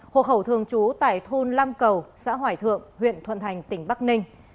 hộ khẩu thường trú tại thôn lam cầu xã hoài thượng huyện thuận thành tỉnh bắc ninh